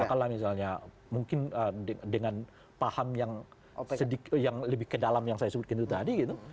apakah misalnya mungkin dengan paham yang lebih ke dalam yang saya sebutkan itu tadi gitu